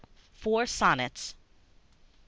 Four Sonnets I.